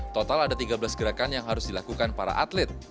total ada tiga belas gerakan yang harus dilakukan para atlet